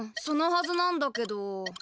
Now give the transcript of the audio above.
そのはずなんだけど。